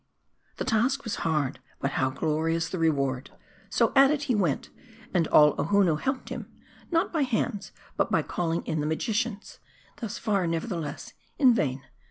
The task was hard, but how glorious the reward ! So at it he went, and all Ohonoo helped him. Not by hands, but by calling in the magicians. Thus far, nevertheless, in vain.